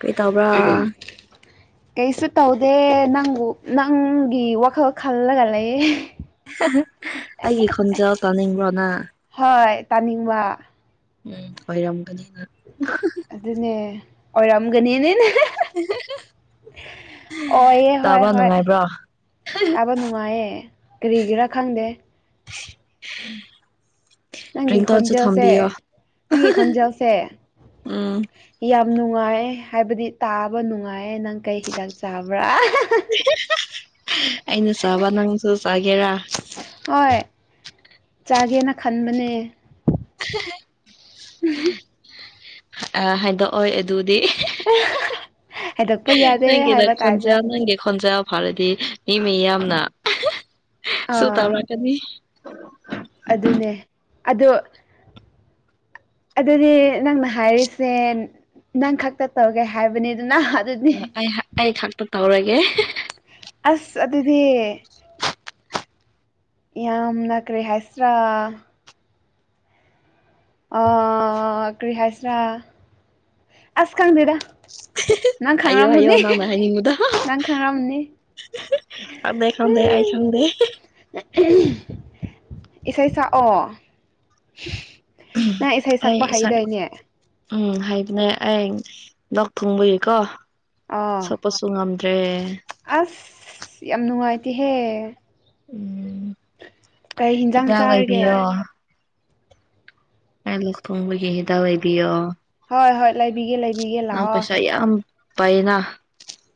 ꯀꯩ ꯇꯧꯕ꯭ꯔꯥ ꯀꯩꯁꯨ ꯇꯧꯗꯦ ꯅꯪꯕꯨ ꯅꯪꯒꯤ ꯋꯥꯈꯜ ꯈꯜꯂꯒ ꯂꯩꯌꯦ ꯑꯩꯒꯤ ꯈꯣꯟꯖꯦꯜ ꯇꯥꯅꯤꯡꯕ꯭ꯔꯣꯅ ꯍꯣꯏ ꯇꯥꯅꯤꯡꯕ ꯎꯝ ꯑꯣꯏꯔꯝꯒꯅꯤꯅ ꯑꯗꯨꯅꯦ ꯑꯣꯏꯔꯝꯒꯅꯤꯅꯦꯅꯦ [unintelligible] ꯑꯣꯏꯌꯦ ꯍꯣꯏ ꯇꯥꯕ ꯍꯣꯏ ꯅꯨꯡꯉꯥꯏꯕ꯭ꯔꯣ ꯇꯥꯕ ꯅꯨꯉꯥꯏꯌꯦ ꯀꯔꯤꯒꯤꯔꯥ ꯈꯪꯗꯦ [inaudible] ꯅꯪꯒꯤ ꯔꯤꯡꯇꯣꯟꯁꯨ ꯈꯣꯟꯖꯦꯜꯁꯦ ꯊꯝꯕꯤꯌꯣ ꯅꯪꯒꯤ [unintelligible] ꯈꯣꯟꯖꯦꯜꯁꯦ ꯎꯝ ꯌꯥꯝ ꯅꯨꯡꯉꯥꯏꯑꯦ ꯍꯥꯏꯕꯗꯤ ꯇꯥꯕ ꯅꯨꯡꯉꯥꯏꯌꯦ ꯅꯪ ꯀꯩ ꯍꯤꯗꯥꯛ ꯆꯥꯕ꯭ꯔꯥ [unintelligible] [unintelligible] ꯑꯩꯅ ꯆꯥꯕ ꯅꯪꯁꯨ ꯆꯥꯒꯦꯔꯥ ꯍꯣꯏ ꯆꯥꯒꯦꯅ ꯈꯟꯕꯅꯦ [unintelligible] ꯑꯥ ꯍꯥꯏꯗꯣꯛꯑꯣꯏ ꯑꯗꯨꯗꯤ ꯍꯥꯏꯗꯣꯛꯄ [unintelligible] ꯌꯥꯗꯦ ꯅꯪꯒꯤꯅ ꯍꯥꯏꯕ ꯇꯥꯏꯞꯇ ꯈꯣꯟꯖꯦꯜ ꯅꯪꯒꯤ ꯈꯣꯟꯖꯦꯜ ꯐꯔꯗꯤ ꯃꯤ ꯃꯌꯥꯝꯅ ꯁꯨ ꯑꯥ ꯇꯥꯔꯛꯀꯅꯤ ꯑꯗꯨꯅꯦ ꯑꯗꯣ ꯑꯗꯨꯗꯤ ꯅꯪꯅ ꯍꯥꯏꯔꯤꯁꯦ ꯅꯪ ꯈꯛꯇ ꯇꯧꯒꯦ ꯍꯥꯏꯕꯅꯤꯗꯅꯥ ꯑꯗꯨꯗꯤ ꯑꯩꯍꯥ ꯑꯩꯈꯛ ꯇꯧꯔꯒꯦ ꯑꯁ ꯑꯗꯨꯗꯤ ꯌꯥꯝꯅ ꯀꯔꯤ ꯍꯥꯏꯁꯤꯔꯥ ꯑꯥ ꯀꯔꯤ ꯍꯥꯏꯁꯤꯔꯥ ꯑꯁ ꯈꯪꯗꯦꯗ ꯅꯪ ꯍꯥꯏꯌꯣ ꯍꯥꯏꯌꯣ ꯈꯉꯝꯃꯨꯅꯤ ꯅꯪ ꯈꯪꯉꯝꯅꯤ [unintelligible] ꯈꯪꯗ‌ꯦ ꯈꯪꯗ‌ꯦ ꯑꯩ ꯈꯪꯗ‌ꯦ ꯏꯁꯩ ꯁꯛꯑꯣ ꯅꯪ ꯏꯁꯩ ꯑꯩ ꯁꯛꯄ ꯏꯁꯥ ꯍꯩꯗꯥꯏꯅꯦ ꯎꯝ ꯍꯥꯏꯕꯅꯦ ꯑꯩ ꯂꯣꯛ ꯊꯨꯡꯕꯒꯤꯀꯣ ꯑꯥ ꯁꯛꯄꯁꯨ ꯉꯝꯗ꯭ꯔꯦ ꯑꯁ ꯌꯥꯝ ꯅꯨꯡꯉꯥꯏꯇꯦꯍꯦ ꯎꯝ ꯀꯩ ꯍꯤꯟꯖꯥꯡ ꯍꯤꯗꯥꯛ ꯆꯥꯔꯒꯦ ꯑꯣꯏꯕꯤꯌꯣ ꯑꯂꯨ ꯊ‌ꯣꯡꯕꯒꯤ ꯍꯤꯗꯥꯛ ꯑꯣꯏꯕꯤꯌꯣ ꯍꯣꯏ ꯍꯣꯏ ꯂꯩꯕꯤꯒꯦ ꯂꯩ ꯅꯪ ꯄꯩꯁꯥ ꯌꯥꯝ ꯄꯥꯏꯅ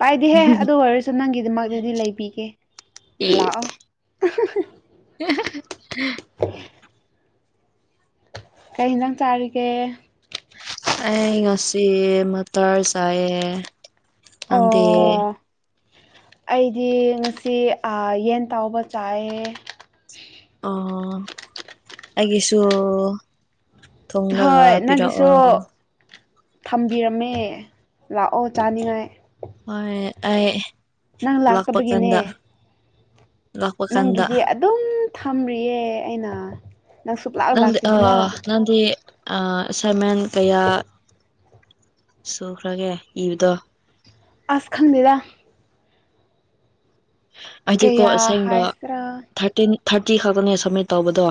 ꯄꯥꯏꯗꯤꯍꯦ ꯑꯗꯨ ꯑꯣꯏꯔꯁꯨ ꯅꯪꯒꯤꯗꯃꯛꯇꯗꯤ ꯂꯩꯕꯤꯒꯦ ꯂꯥꯛꯑꯣ ꯎ [unintelligible] ꯎ [inaudible] ꯀꯩ ꯅꯪ ꯆꯥꯔꯤꯒꯦ ꯑꯩ ꯉꯁꯤ ꯃꯇꯔ ꯆꯥꯏꯑꯦ ꯑꯣ ꯑꯩꯗꯤ ꯉꯁꯤ ꯑ ꯌꯦꯟ ꯇꯥꯎꯕ ꯆꯥꯏꯌꯦ ꯑꯣ ꯑꯩꯒꯤꯁꯨ ꯊꯨꯡꯂꯒ ꯍꯣꯏ ꯅꯪꯒꯤꯁꯨ ꯄꯤꯔꯛꯑꯣ ꯊꯝꯕꯤꯔꯝꯃꯦ ꯂꯥꯛꯑꯣ ꯆꯥꯅꯤꯡꯉꯥꯏ ꯍꯣꯏ ꯑꯩ ꯅꯪ ꯂꯥꯛꯄ ꯂꯥꯛꯇꯕꯒꯤꯅꯦ ꯀꯥꯟꯗ ꯂꯥꯛꯄ ꯀꯥꯟꯗ ꯅꯪꯒꯤꯗꯤ ꯑꯗꯨꯝ ꯊꯝꯔꯤꯌꯦ ꯑꯩꯅ ꯅꯪ ꯁꯨꯛꯂꯥꯛ ꯅꯪꯗꯤ ꯑ ꯂꯥꯛꯇꯦꯗꯅ ꯅꯪꯗꯤ ꯑ ꯑꯁꯥꯏꯃꯦꯟ ꯀꯌꯥ ꯁꯨꯈ꯭ꯔꯒꯦ ꯏꯕꯗꯣ ꯑꯁ ꯈꯪꯗ‌ꯦꯗ ꯍꯥꯏꯗꯤꯀꯣ ꯀꯌꯥ ꯑꯁꯦꯡꯕ ꯍꯥꯏꯁꯤꯔꯥ ꯊꯥꯔꯇꯤꯟ ꯊꯥꯔꯇꯤ ꯈꯛꯇꯅꯦ ꯁꯕꯃꯤꯠ ꯇꯧꯕꯗꯣ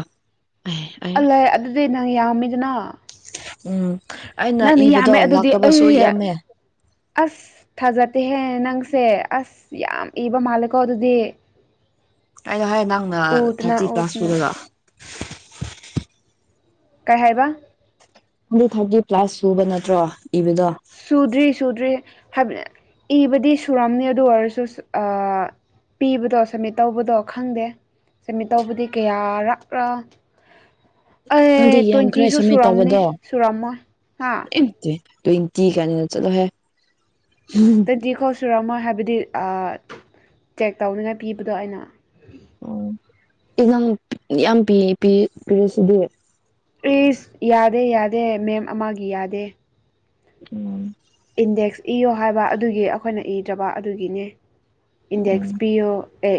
ꯑꯦ ꯑꯩ ꯑꯜꯂ ꯑꯗꯨꯗꯤ ꯅꯪ ꯌꯥꯝꯃꯤꯗꯅ ꯎꯝ ꯑꯩꯅ ꯅꯪꯅ ꯏꯕꯗꯣ ꯌꯥꯝꯃꯦ ꯑꯗꯨꯗꯤ ꯂꯥꯛꯇꯕꯁꯨ ꯑꯩ ꯌꯥꯝꯃꯦ ꯑꯁ ꯊꯥꯖꯠꯇꯦꯍꯦ ꯅꯪꯁꯦ ꯑꯁ ꯌꯥꯝ ꯏꯕ ꯃꯥꯜꯂꯦꯀꯣ ꯑꯗꯨꯗꯤ ꯑꯩꯅ ꯍꯥꯏꯌꯦ ꯅꯪꯅ ꯎꯗꯅ ꯊꯥꯔꯇꯤ ꯀ꯭ꯂꯥꯁ ꯎꯗꯅ ꯄꯨꯔꯒ ꯀꯩ ꯍꯥꯏꯕ ꯑꯗꯨ ꯊꯥꯔꯇꯤ ꯄ꯭ꯂꯥꯁ ꯁꯨꯕ ꯅꯠꯇ꯭ꯔꯣ ꯏꯕꯗꯣ ꯁꯨꯗ꯭ꯔꯤ ꯁꯨꯗ꯭ꯔꯤ ꯍꯥꯏꯕꯗꯤ ꯏꯕꯗꯤ ꯁꯨꯔꯝꯅꯤ ꯑꯗꯨ ꯑꯣꯏꯔꯁꯨ ꯑ ꯄꯤꯕꯗꯣ ꯁꯝꯃꯤꯠ ꯇꯧꯕꯗꯣ ꯈꯪꯗꯦ ꯁꯝꯃꯤꯠ ꯇꯧꯕꯗꯤ ꯀꯌꯥꯔꯞꯂ ꯑꯦ ꯅꯪꯗꯤ ꯌꯥꯝꯈ꯭ꯔꯦ ꯇ꯭ꯋꯦꯟꯇꯤꯁꯨ ꯁꯝꯃꯤꯠ ꯁꯨꯔꯝꯅꯤ ꯇꯧꯕꯗꯣ ꯁꯨꯔꯝꯃꯣꯏ ꯍꯥ ꯇ꯭ꯋꯦꯟꯇꯤ ꯀꯅꯤꯅ ꯆꯠꯂꯣ ꯍꯦ [unintelligible] ꯇ‌ꯣꯟꯇꯤꯐꯥꯎ ꯁꯨꯔꯝꯃꯣꯏ ꯍꯥꯏꯕꯗꯤ ꯑ ꯆꯦꯛ ꯇꯧꯅꯤꯉꯥꯏ ꯄꯤꯕꯗꯣ ꯑꯩꯅ ꯑꯣ ꯑꯦꯖꯥꯡ ꯌꯥꯝ ꯄꯤ ꯄ ꯄꯤꯔꯁꯤꯗꯤ ꯄ꯭ꯂꯤꯁ ꯌꯥꯗꯦ ꯌꯥꯗꯦ ꯃꯦꯝ ꯑꯃꯒꯤ ꯌꯥꯗꯦ ꯎꯝ ꯏꯟꯗꯦꯛꯁ ꯏꯌꯣ ꯍꯥꯏꯕ ꯑꯗꯨꯒꯤ ꯑꯩꯈꯣꯏꯅ ꯏꯗ꯭ꯔꯕ ꯑꯗꯨꯒꯤꯅꯦ ꯏꯟꯗꯦꯛꯁ ꯄꯤꯌꯣ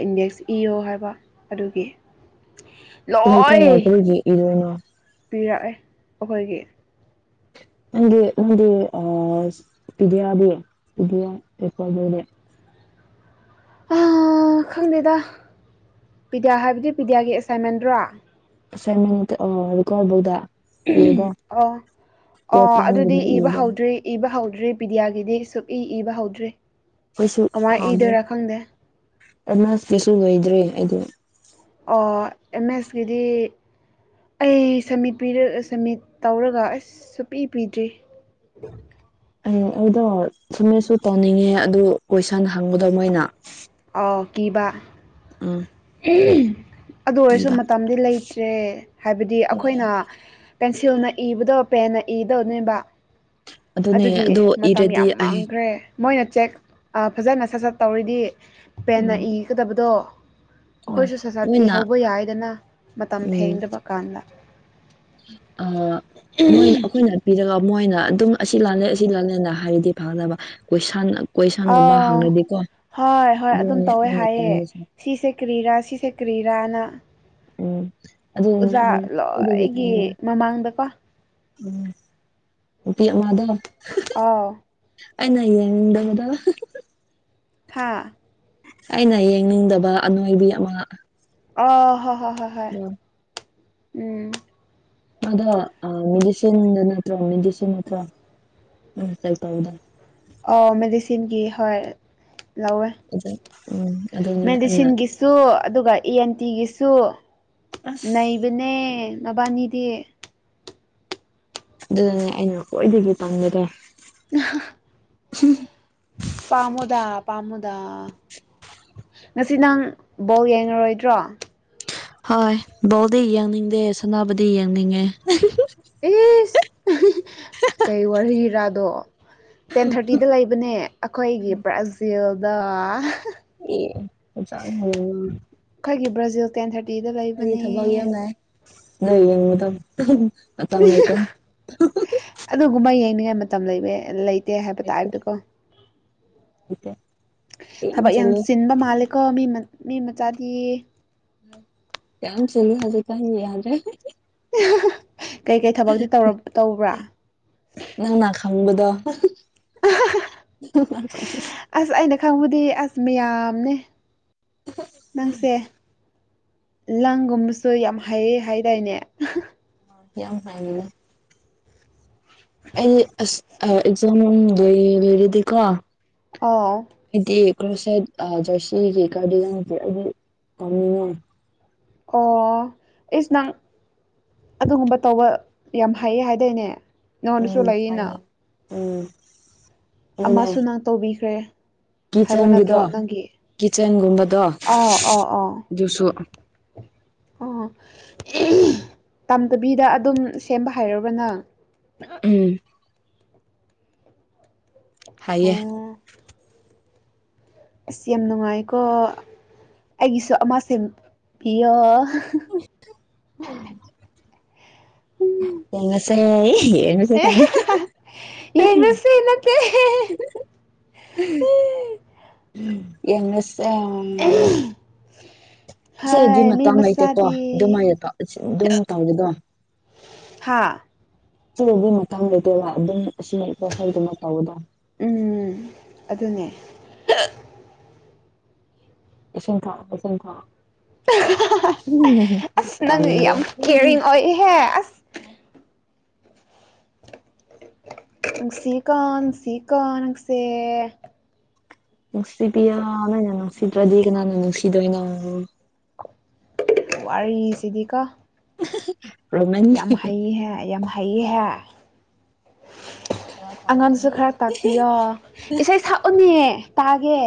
ꯏꯟꯗꯦꯛꯁ ꯏꯌꯣ ꯍꯥꯏꯕ ꯑꯗꯨꯒꯤ ꯂꯣꯏ ꯂꯩꯇ꯭ꯔꯒ ꯀꯔꯤꯒꯤ ꯏꯗꯣꯏꯅꯣ ꯄꯤꯔꯛꯑꯦ ꯑꯩꯈꯣꯏꯒꯤ ꯅꯪꯦꯗꯤ ꯑ ꯄꯤꯗꯤꯌꯥꯕꯨ ꯄꯤꯗꯤꯌꯥ ꯄꯦꯄꯕ [unintelligible] ꯈꯪꯗꯦꯗ ꯄꯤꯗ꯭ꯌꯥ ꯍꯥꯏꯕꯗꯤ ꯄꯤꯗ꯭ꯌꯥꯒꯤ ꯑꯦꯁꯥꯏꯟꯃꯦꯟꯗ꯭ꯔꯣ ꯁꯃ ꯃꯦ ꯑꯣ ꯑꯗꯨ ꯀꯕꯧꯗ [unintelligible] ꯑ ꯑ ꯑꯗꯨꯗꯤ ꯄ꯭ꯂꯥꯟꯒꯨꯝꯕ ꯏꯕ ꯏꯕꯗꯣ ꯍꯧꯗ꯭ꯔꯤ ꯏꯕ ꯍꯧꯗ꯭ꯔꯤ ꯄꯤꯗꯤꯌꯥꯒꯤꯗꯤ ꯁꯨꯛ ꯏ ꯏꯕ ꯍꯧꯗ꯭ꯔꯤ ꯑꯩꯈꯣꯏꯁꯨ ꯀꯃꯥꯏꯅ ꯏꯗꯣꯏꯔꯥ ꯈꯪꯗꯦ ꯑꯦꯗꯃꯥꯟꯁ ꯀꯩꯁꯨ ꯑꯣꯏꯗ꯭ꯔꯔꯤ ꯑꯩꯗꯤ ꯑ‌ꯣ ꯑ‌ꯦꯃ‍ꯦꯁꯀꯤꯗꯤ ꯑꯩ ꯁꯃꯤꯠ ꯄꯤꯔ ꯁꯝꯃꯤꯠ ꯇꯧꯔꯒ ꯑꯁ ꯁꯨꯞꯄꯤ ꯄꯤꯗ꯭ꯔꯤ ꯎꯝ [unintelligible] ꯑꯩ ꯑꯩꯗꯣ ꯁꯨꯝꯃꯦꯠꯁꯨ ꯇꯧꯅꯤꯡꯉꯦ ꯑꯗꯨ ꯀꯣꯏꯁꯟ ꯍꯪꯕꯗꯣ ꯃꯣꯏꯅ ꯑꫭ ꯀꯤꯕꯥ ꯎꯝ ꯑꯗꯨ ꯑꯣꯏꯔꯁꯨ ꯀꯤꯕ ꯃꯇꯝꯗꯤ ꯂꯩꯇ꯭ꯔꯦ ꯍꯥꯏꯕꯗꯤ ꯑꯩꯈꯣꯏꯅ ꯄꯦꯟꯁꯤꯜꯅ ꯏꯕꯗꯣ ꯄꯦꯟꯅ ꯏꯗꯧꯅ‌ꯦꯕ ꯑꯗꯨꯅꯦ ꯑꯗꯨꯒꯤ ꯑꯗꯨ ꯃꯇꯝ ꯏꯔꯗꯤ ꯌꯥꯝ ꯑꯩ ꯃꯥꯡꯈ꯭ꯔꯦ ꯃꯣꯏꯅ ꯆꯦꯛ ꯐꯖꯅ ꯁꯠ ꯁꯠ ꯇꯧꯔꯤꯗꯤ ꯄꯦꯟꯅ ꯎꯝ ꯏꯒꯗꯕꯗꯣ ꯑꯩꯈꯣꯏꯁꯨ ꯁꯠꯁꯠ ꯃꯣꯏꯅ ꯏꯍꯧꯕ ꯌꯥꯏꯗꯅ ꯃꯇꯝ ꯎꯝ ꯊꯦꯡꯗꯕ ꯀꯥꯟꯗ ꯑ ꯃꯣꯏꯅ ꯑꯩꯈꯣꯏꯅ ꯄꯤꯔꯒ ꯃꯣꯏꯅ ꯑꯗꯨꯝ ꯑꯁꯤ ꯂꯥꯜꯂꯦ ꯑꯁꯤ ꯂꯥꯜꯂꯦꯅ ꯍꯥꯏꯔꯗꯤ ꯐꯒꯗꯕ ꯀꯣꯏ ꯁꯟ ꯀꯣꯏꯁꯟꯒꯨꯝꯕ ꯑꯥꯎ ꯍꯪꯉꯔꯗꯀꯣ ꯍꯣꯏ ꯍꯣꯏ ꯑꯗꯨꯝ ꯑꯗꯨꯅꯦ ꯇꯧꯋꯦ ꯑꯩꯅ ꯍꯥꯏꯌꯦ ꯇꯟꯂꯤꯁꯦ ꯁꯤꯁꯦ ꯀ꯭ꯔꯤꯔꯥ ꯁꯤꯁꯦ ꯀ꯭ꯔꯤꯔꯥꯅ ꯎꯝ ꯑ ꯂꯣꯏꯒꯤ ꯃꯃꯥꯡꯗꯀꯣ [unintelligible] ꯎꯝ ꯏꯄꯤ ꯑꯃꯥꯗꫭ ꯑꯧ ꯑꯩꯅ ꯌꯦꯡꯅꯤꯡꯗꯕꯗ ꯍꯥꯥ ꯑꯩꯅ ꯌꯦꯡꯅꯤꯡꯗꯕ ꯑꯅꯣꯏꯕꯤ ꯑꯃ ꯑꯣ ꯍꯣ ꯍ ꯍ ꯍꯣꯏ ꯎꯝ ꯃꯗꫭ ꯃꯦꯗꯤꯁꯤꯟꯗꯅꯠꯇ꯭ꯔ ꯃꯦꯗꯤꯁꯤꯟꯠꯇꯗ [unintelligible] ꯑꯣ ꯃꯦꯗꯤꯁꯤꯟꯒꯤ ꯍꯣꯏ ꯂꯧꯋꯦ ꯑꯗꯨ ꯎꯝ ꯑꯗꯨꯅꯦ ꯑꯩꯅ ꯃꯦꯗꯤꯁꯤꯟꯒꯤ ꯁꯨ ꯑꯗꯨꯒ ꯏꯤ ꯑꯦꯟ ꯇꯤꯒꯤꯁꯨ ꯑꯁ ꯅꯩꯕꯅꯦ ꯃꯕꯥꯅꯤꯗꯤ ꯑꯗꯨꯗꯨꯅꯦ ꯑꯩꯅ ꯈ꯭ꯋꯥꯏꯗꯒꯤ ꯄꯥꯝꯖꯕ ꯎꯝ [unintelligible] ꯄꯥꯝꯃꯨꯗꯥ ꯄꯥꯝꯃꯨꯗꯥ ꯉꯁꯤ ꯅꯪ ꯕꯣꯂ ꯌꯦꯡꯉꯔꯣꯏꯗ꯭ꯔꯣ ꯍꯣꯏ ꯕꯣꯜꯗꯤ ꯌꯦꯡꯅꯤꯡꯗꯦ ꯁꯥꯟꯅꯕꯗꯤ ꯌꯦꯡꯅꯤꯡꯉꯦ ꯑꯦꯁ ꯀꯩ ꯋꯥꯔꯤꯔ ꯑꯗꯣ ꯇꯦꯟ ꯊꯥꯔꯇꯤꯗ ꯂꯩꯕꯅꯦ ꯑꯩꯈꯣꯏꯒꯤ ꯕ꯭ꯔꯥꯖꯤꯜꯗꫭ ꯑꯦ ꯆ [unintelligible] ꯑꯩꯈꯣꯏꯒꯤ ꯕ꯭ꯔꯥꯖꯤꯜ ꯇꯦꯟ ꯊꯥꯔꯇꯤꯗ ꯂꯩ ꯑꯩꯗꯤ ꯊꯕꯛ ꯌꯥꯝ ꯂꯩ ꯅꯣꯏ ꯌꯦꯡꯕꯗꫭ ꯃꯇꯝ ꯂꯩꯇꯦ ꯑꯗꯨꯒꯨꯝꯕ ꯌꯦꯡꯅꯤꯡꯉꯥꯏ ꯃꯇꯝ ꯂꯩꯕ ꯂꯩꯇꯦ ꯍꯥꯏꯕ ꯇꯥꯏꯕꯗꯀꯣ ꯑꯠꯇ [unintelligible] ꯊꯕꯛ ꯌꯥꯝ ꯆꯤꯟꯕ ꯃꯥꯜꯂꯦꯀꯣ ꯃꯤ ꯃꯆꯥꯗꯤ ꯌꯥꯝ ꯆꯤꯟꯂ‌ꯦ ꯍꯧꯖꯤꯛ ꯀꯥꯟꯁꯤ ꯌꯥꯗ꯭ꯔꯦ ꯀꯩꯀꯩ ꯊꯕꯛꯇꯤ ꯇꯧꯕ꯭ꯔꯥ ꯅꯪꯅꯥ ꯑꯈꯪꯕꯗꯣ ꯑꯁ ꯑꯩꯅ ꯈꯪꯕꯗꯤ ꯑꯁ ꯃꯌꯥꯝꯅꯦ ꯅꯪꯁꯦ ꯂꯪꯒꯨꯝꯕꯁꯨ ꯌꯥꯝ ꯍꯩꯌ‌ꯦ ꯍꯥꯏꯗꯥꯏꯅꯦ ꯌꯥꯝ ꯍꯥꯏꯅꯨꯅ‌ꯦ ꯑꯩ ꯑꯁ ꯑꯦꯛꯖꯥꯝꯗ [unintelligible] ꯂꯩꯔꯗꯤꯦꯀꯣ ꯑꫭ ꯑꯩꯗꯤ ꯀ꯭ꯔꯣꯁ ꯁꯥꯏꯠ [unintelligible] ꯖꯔꯁꯤꯒꯤ ꯀꯒꯥꯔꯗꯟꯁꯦ ꯑꯩꯗꯤ ꯀꯥꯅꯤꯡꯉꯣ [unintelligible] ꯑꯣ ꯏꯁ ꯅꯪ ꯑꯗꯨꯒꯨꯝꯕ ꯇꯧꯕ ꯌꯥꯝ ꯍꯩꯌꯦ ꯍꯥꯏꯗꯥꯏꯅꯦ ꯅꯉꯣꯟꯗꯁꯨ ꯎꯝ ꯐꯦ ꯂꯩꯌꯦꯅ [unintelligible] ꯎꯝ ꯑꯃꯁꯨ ꯑꯗꯨꯅꯦ ꯅꯪ ꯇꯧꯕꯤꯈ꯭ꯔꯦ ꯍꯥꯏꯕ ꯅꯠꯇ꯭ꯔꯣ ꯀꯤꯠꯆꯟꯒꯤꯗꯣ ꯅꯪꯒꯤ ꯀꯤꯠꯆꯟꯒꯨꯝꯕꯗꯣ ꯑꯥꯎ ꯑꯥꯎ ꯑꯥꯎ ꯑꯗꯨꯁꯨ ꯑꯣ ꯇꯝꯊꯕꯤꯗ ꯑꯗꯨꯝ ꯁꯦꯝꯕ ꯍꯥꯏꯔꯕꯅꯪ ꯎꯝ ꯍꯥꯏꯌꯦ ꯑꯣ ꯑꯁ ꯌꯥꯝ ꯅꯨꯡꯉꯥꯏꯀꯣ ꯑꯩꯒꯤꯁꯨ ꯑꯃ ꯁꯦꯝꯕꯤꯌꯣ ꯌꯦꯅꯁ ꯌꯦꯁꯨꯅꯠꯇꯦ ꯌꯦꯉꯁꯦ [unintelligible] ꯁꯤꯗꯤ ꯃꯤ ꯃꯇꯥꯡ ꯂꯩꯇꯦꯀꯣ ꯃꯆꯥꯗꯤ ꯑꯗꯨꯝ ꯍꯥꯏꯌꯦꯀ ꯑꯗꯨꯝ ꯇꯧꯔꯦꯗꯣ ꯍꯥꯥ ꯁꯤꯕꯒꯤ ꯃꯥꯡ ꯂꯩꯇꯦ ꯂ ꯑꯗꯨꯝ ꯑꯁꯤꯃ ꯏ ꯁꯣꯏꯗꯨꯅ ꯇꯧꯕꯗ ꯎꯝ ꯑꯗꯨꯅꯦ ꯏꯁꯤꯡꯟ ꯊꯥ ꯏꯁꯤꯡꯟ ꯊꯥ ꯎ ꯑꯁ ꯅꯪ ꯇꯅꯤꯡꯗꯦ ꯌꯥꯝ ꯀꯦꯌꯔꯤꯡ ꯑꯣꯏꯍꯦ ꯑꯁ ꯁꯀꯥꯟ ꯁꯀꯥꯟꯁꯦ ꯅꯨꯡꯁꯤꯕꯤꯌꯥ ꯅꯣꯏꯅ ꯅꯨꯡꯁꯤꯗ꯭ꯔꯗꯤ ꯀꯅꯥꯅꯣ ꯅꯨꯡꯁꯤꯗꯣꯏꯅꯣ ꯋꯥꯔꯤꯁꯤꯗꯤ ꯀꯣ ꯎ ꯌꯥꯝ ꯍꯩꯍ ꯌꯥꯝ ꯍꯩ ꯍꯥꯏꯦ ꯈꯔ ꯑꯉꯥꯡꯁꯨ ꯇꯧꯔꯛꯀꯅꯤ ꯈꯔ ꯇꯥꯛꯄꯤꯌꯣ ꯏꯁꯩ ꯁꯛꯎꯅꯦ ꯇꯥꯒꯦ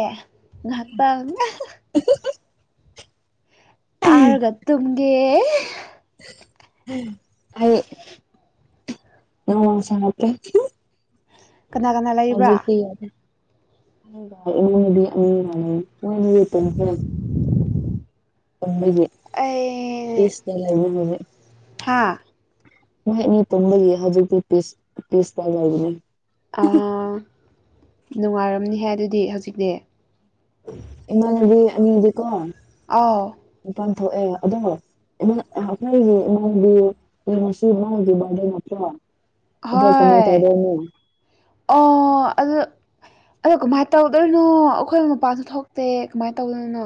ꯍꯠꯇ ꯇꯥꯔꯒ ꯇꯨꯝꯒꯦ ꯑꯩ ꯅꯃꯁ꯭ꯔꯦ ꯀꯥꯅ ꯀꯥꯅ ꯑꯖꯤꯗꯤꯦꯇꯅꯤ ꯍꯥꯏ ꯀꯝꯕꯒꯤ ꯄꯁ ꯅ ꯂꯩꯕꯅꯦ ꯊꯥ ꯃꯍꯅꯤ ꯇꯨꯝꯝꯕꯒꯤ ꯍꯧꯖꯤꯛꯇꯤ ꯄꯤꯁ ꯄꯤꯁ ꯇꯥꯖꯕꯅꯦ ꯅꯨꯡꯉꯥꯏꯔꯝꯅꯤꯍ ꯑꯗꯨꯗꯤ ꯍꯧꯖꯤꯛꯇꯤ ꯏꯃꯥꯗꯤ ꯑꯅꯤꯗꯤ ꯀꯣ ꯑꯥꯎ ꯏ ꯄꯥꯟ ꯊꯣꯛꯑ ꯑꯗꯨꯝ ꯃ ꯑꯩꯈꯣꯏꯒꯤ ꯏꯃꯨꯡꯒꯤ ꯉꯁꯤ ꯏꯃꯥꯡꯒꯤ ꯕꯥꯔꯗꯦ ꯅꯠꯇ꯭ꯔꯣ ꯑꯗꯣ ꯀꯃꯥꯏ ꯍꯣꯏ ꯇꯧꯗꯣꯏꯅꯣ ꯑꯣ ꯑꯗꯨ ꯑꯗꯣ ꯀꯃꯥꯏꯅ ꯇꯧꯗꯣꯏꯅꯣ ꯑꯩꯈꯣꯏ ꯃꯄꯥꯟꯁꯨ ꯊꯣꯛꯇꯦ ꯀꯃꯥꯏꯅ ꯇꯧꯗꯣꯏꯔꯤꯅꯣ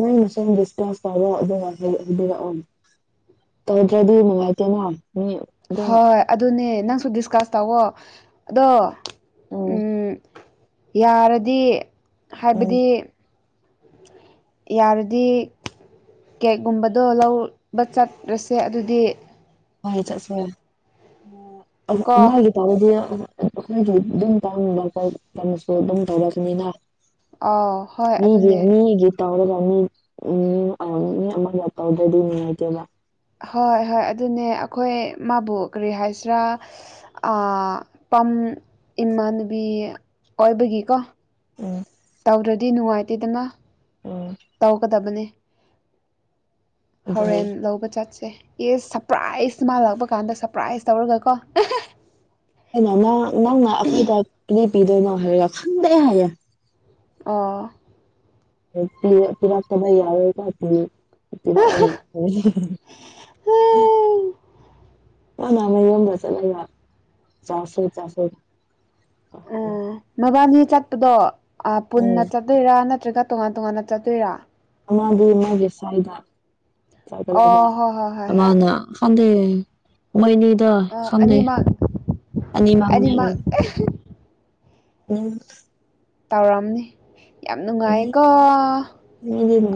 ꯅꯪꯅꯁꯨꯝ ꯗꯤꯁꯀꯥꯁ ꯇꯥꯧꯕ ꯑꯗꯨꯔꯑꯣ ꯇꯧꯗ꯭ꯔꯗꯤ ꯅꯨꯡꯉꯥꯏꯇꯦꯅ ꯃꯤ ꯑꯗꯨꯝ ꯍꯣꯏ ꯑꯗꯨꯅꯦ ꯅꯪꯁꯨ ꯗꯤꯁꯀꯁ ꯇꯧꯋꯣ ꯑꯗꯣ ꯎꯝ ꯌꯥꯔꯗꯤ ꯎꯝ ꯍꯥꯏꯕꯗꯤ ꯌꯥꯔꯗꯤ ꯀꯦꯛꯒꯨꯝꯕꯗꯣ ꯂꯧꯕ ꯆꯠꯂꯁꯦ ꯑꯗꯨꯗꯤ ꯍꯣꯏ ꯆꯁ ꯀꯣ ꯇꯗꯤ ꯑꯩꯈꯣꯏꯒꯤ ꯑꯗꯨꯝ ꯇꯥꯕꯣꯁꯨ ꯑꯗꯨꯝ ꯇꯧꯔꯛꯁꯨꯅꯤꯅ ꯑꯥꯎ ꯍꯣꯏ ꯃꯤꯒꯤ ꯑꯗꯨꯅꯦ ꯃꯤꯒꯤ ꯇꯧꯔꯒ ꯃꯤ ꯃꯤ ꯑꯃꯒ ꯇꯧꯗ꯭ꯔꯗꯤ ꯅꯨꯡꯉꯥꯏꯇꯦꯕ ꯍꯣꯏ ꯍꯣꯏ ꯑꯗꯨꯅꯦ ꯑꯩꯈꯣꯏ ꯃꯥꯕꯨ ꯀꯔꯤ ꯍꯥꯏꯁꯤꯔꯥ ꯄꯝ ꯏꯃꯥꯟꯅꯨꯕꯤ ꯑꯣꯏꯕꯒꯤꯀꯣ ꯎꯝ ꯇꯧꯗ꯭ꯔꯗꯤ ꯅꯨꯡꯉꯥꯏꯇꯦꯗꯅ ꯇꯧꯒꯗꯕꯅꯤ ꯑꯗꯨꯅꯦ ꯍꯣꯔꯦꯟ ꯂꯧꯕ ꯆꯠꯁꯦ ꯌꯦꯁ ꯁꯔꯄ꯭ꯔꯥꯏꯖ ꯃꯥ ꯂꯥꯛꯄ ꯀꯥꯟꯗ ꯁꯔꯄ꯭ꯔꯥꯏꯖ ꯇꯧꯔꯒꯀꯣ [unintelligible] ꯀꯩꯅꯣ ꯅꯪ ꯅꯪꯅ ꯑꯩꯈꯣꯏꯗ ꯀ ꯄꯤꯗꯣꯏꯅꯣ ꯍꯥꯏꯔꯒ ꯈꯪꯗꯦ ꯍꯥꯏꯌꯦ꯫ ꯑꯥ ꯔ ꯄꯤꯔꯥꯛꯇꯗ ꯌꯥꯔꯣꯏꯕ [unintelligible] ꯎ [unintelligible] ꯃꯥꯅꯥ ꯑꯃ ꯌꯣꯝꯗ ꯆꯠꯂꯕ ꯆꯥ [unintelligible] ꯎ ꯃꯕꯥꯅꯤ ꯆꯠꯄꯗꯣ ꯄꯨꯟꯅ ꯎꯝ ꯆꯠꯇꯣꯏꯔꯥ ꯅꯠꯇ꯭ꯔꯒ ꯇꯣꯉꯥꯟ ꯇꯣꯉꯥꯟꯅ ꯆꯠꯇꯣꯏꯔꯥ꯫ ꯑꯃꯗꯤ ꯃꯥꯒꯤ ꯁꯋꯥꯏꯗꯗꯕ ꯑꯣ ꯍꯣꯏ ꯍꯣꯏ ꯍꯣꯏ ꯍꯣꯏ ꯑꯃꯅ ꯈꯪꯗꯦ꯫ ꯃꯣꯏꯅꯤꯗ ꯑ ꯁꯪꯗꯦ ꯑꯅꯤꯃꯛ ꯑꯅꯤꯃꯥꯡꯅꯦ꯫ ꯑꯅꯤꯃꯛ ꯎꯝ ꯇꯧꯔꯛꯔꯝꯅꯤ ꯌꯥꯝ ꯅꯨꯡꯉꯥꯏꯀꯣ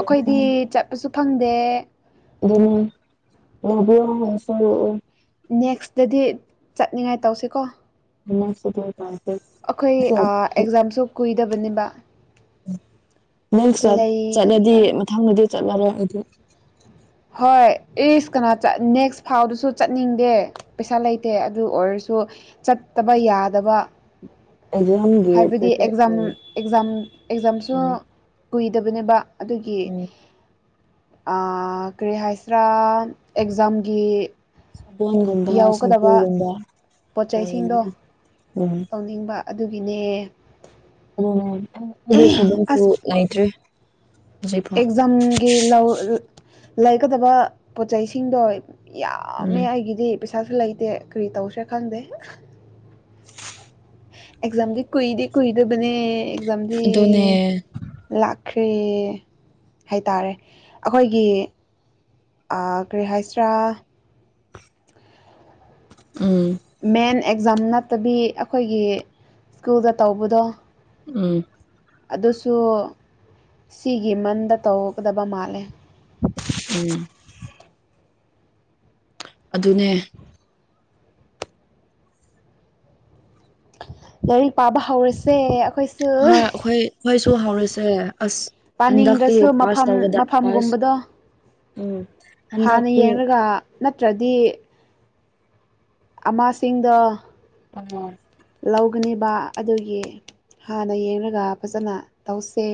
ꯑꯈꯣꯏꯗꯤ ꯆꯠ ꯀꯩꯁꯨ ꯈꯜꯗꯦ꯫ [unintelligible] ꯅꯦꯛꯁꯇꯗꯤ ꯆꯠꯅꯤꯡꯉꯥꯏ ꯇꯧꯁꯤꯀꯣ [unintelligible] ꯑꯩꯈꯣꯏ ꯑꯦꯛꯖꯥꯝꯁꯨ ꯀꯨꯏꯗꯕꯅꯤꯕ꯫ ꯅꯪ ꯆꯠꯂꯗꯤ ꯂꯩꯒꯗꯕ ꯃꯊꯪꯗꯗꯤ ꯆꯠꯂꯔꯣꯏ ꯑꯗꯨ ꯍꯣꯏ ꯏꯁ ꯀꯅꯥ ꯅꯦꯛꯁ ꯐꯥꯎꯗꯨꯁꯨ ꯆꯠꯅꯤꯡꯗꯦ꯫ ꯄꯩꯁꯥ ꯂꯩꯇꯦ ꯑꯗꯨ ꯑꯣꯏꯔꯁꯨ ꯆꯠꯇꯕ ꯌꯥꯗꯕ꯫ ꯑꯦꯛꯖꯥꯝꯒꯤ ꯍꯥꯏꯕꯗꯤ ꯑꯦꯛꯖꯥꯝ ꯄ꯭ꯔꯤꯄꯦꯌꯔ ꯑꯦꯛꯖꯥꯝ ꯑꯦꯛꯖꯥꯝꯁꯨ ꯎꯝ ꯎꯝ ꯀꯨꯏꯗꯕꯅꯦꯕ ꯑꯗꯨꯒꯤ ꯎꯝ ꯑꯥ ꯀꯔꯤ ꯍꯥꯏꯁ꯭ꯔꯥ ꯑꯦꯛꯖꯥꯝꯒꯤ꯫ ꯁꯄꯟꯒꯨꯝꯗ ꯌꯧꯒꯗꯕ ꯁꯝꯄꯨꯜꯒꯨꯝꯗ ꯎ ꯎ ꯇꯥꯎꯅꯤꯡꯕ ꯑꯗꯨꯒꯤꯅꯦ ꯑꯁ ꯑꯗꯨꯁꯨꯁꯨꯏꯇ꯭ꯔꯦ꯫ ꯑꯦꯛꯖꯥꯝꯒꯤ ꯂꯧ ꯂꯩꯒꯗꯕ ꯄꯣꯠꯆꯩꯁꯤꯡꯗꯣ꯫ ꯎꯝ ꯌꯥꯝꯃꯦ ꯑꯩꯒꯤꯗꯤ ꯄꯩꯁꯥꯁꯨ ꯂꯩꯇꯦ ꯀꯔꯤ ꯇꯧꯁꯦ ꯈꯪꯗꯦ꯫ ꯑꯦꯛꯖꯝꯒꯤ ꯀꯨꯏꯗꯤ ꯀꯨꯏꯗꯕꯅꯦ ꯑꯦꯛꯖꯝꯗꯤ꯫ ꯑꯗꯨꯅꯦ ꯂꯥꯛꯈ꯭ꯔꯦ ꯍꯥꯏꯇꯥꯔꯦ ꯑꯈꯣꯏꯒꯤ ꯑꯥ ꯀꯔꯤ ꯍꯥꯏꯁꯔꯥ꯫ ꯎꯝ ꯃꯦꯟ ꯑꯦꯛꯖꯥꯝ ꯅꯠꯇꯕꯤ ꯑꯩꯈꯣꯏꯒꯤ ꯁ꯭ꯀꯨꯜꯗ ꯇꯧꯕꯗꯣ꯫ ꯎꯝ ꯑꯗꯨꯁꯨ ꯁꯤꯒꯤ ꯃꯟꯗ ꯇꯧꯒꯗꯕ ꯃꯥꯜꯂꯦ꯫ ꯎꯝ ꯑꯗꯨꯅꯦ ꯂꯥꯏꯔꯤꯛ ꯄꯥꯕ ꯍꯧꯥꯎꯔꯁꯦ꯫ ꯍ ꯑꯩꯈꯣꯏ ꯑꯩꯈꯣꯏꯁꯨ ꯍꯧꯔꯁꯦ ꯑꯁ ꯍꯟꯗꯛꯇ ꯄꯥꯅꯤꯡꯗ꯭ꯔꯁꯨ ꯄꯥꯁ ꯃꯐꯝ ꯇꯒꯗ ꯄꯥꯁ ꯃꯐꯝꯒꯨꯝꯕꯗꯣ ꯎꯝ ꯍꯥꯟꯅ ꯍꯟꯗꯛꯇꯤ ꯌꯦꯡꯂꯡꯒ ꯅꯠꯇ꯭ꯔꯗꯤ ꯑꯃꯥꯁꯤꯡꯗ ꯎꯝ ꯂꯧꯒꯅꯦꯕ ꯑꯗꯨꯒꯤ ꯍꯥꯟꯅ ꯌꯦꯡꯂꯡꯒ ꯐꯖꯅ ꯇꯧꯁꯦ